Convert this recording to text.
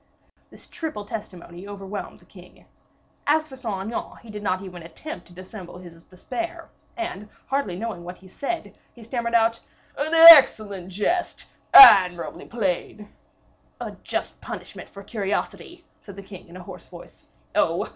This triple testimony overwhelmed the king. As for Saint Aignan, he did not even attempt to dissemble his despair, and, hardly knowing what he said, he stammered out, "An excellent jest! admirably played!" "A just punishment for curiosity," said the king, in a hoarse voice. "Oh!